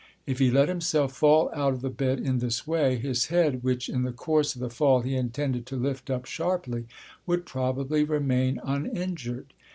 If he let himself fall out of the bed in this way, his head, which in the course of the fall he intended to lift up sharply, would probably remain uninjured.